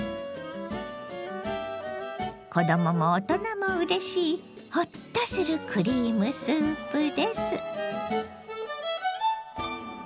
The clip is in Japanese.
子どもも大人もうれしいホッとするクリームスープです。